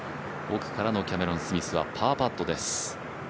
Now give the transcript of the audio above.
奥からのキャメロン・スミスはパーパットです。